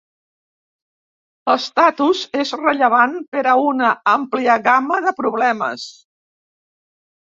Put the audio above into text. L'estatus és rellevant per a una àmplia gamma de problemes.